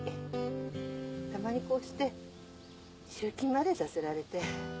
たまにこうして集金までさせられて。